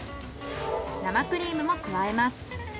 生クリームも加えます。